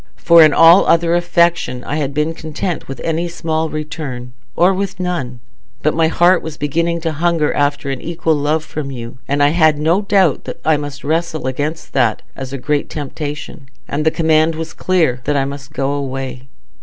For in all other affection I had been content with any small return, or with none; but my heart was beginning to hunger after an equal love from you. And I had no doubt that I must wrestle against that as a great temptation, and the command was clear that I must go away."